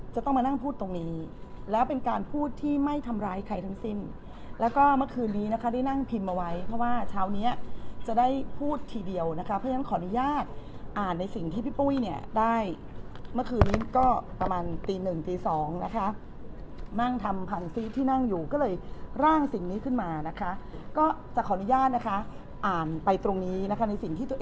จะต้องมานั่งพูดตรงนี้แล้วเป็นการพูดที่ไม่ทำร้ายใครทั้งสิ้นแล้วก็เมื่อคืนนี้นะคะได้นั่งพิมพ์เอาไว้เพราะว่าเช้านี้จะได้พูดทีเดียวนะคะเพราะฉะนั้นขออนุญาตอ่านในสิ่งที่พี่ปุ้ยเนี่ยได้เมื่อคืนนี้ก็ประมาณตีหนึ่งตีสองนะคะนั่งทำพันซีที่นั่งอยู่ก็เลยร่างสิ่งนี้ขึ้นมานะคะก็จะขออนุญาตนะคะอ่านไปตรงนี้นะคะในสิ่งที่ตัวเอง